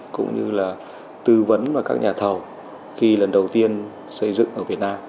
cũng như là tư vấn vào các nhà thầu khi lần đầu tiên xây dựng ở việt nam